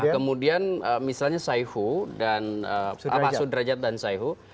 kemudian misalnya sayhu dan sudrajat dan sayhu